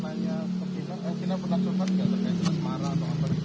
mbak fina pernah cuma dikasih kayak cinta semara atau apa